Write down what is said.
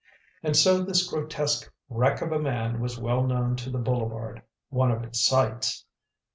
And so this grotesque wreck of a man was well known to the boulevard one of its sights.